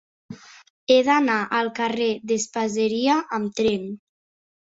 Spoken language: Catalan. He d'anar al carrer d'Espaseria amb tren.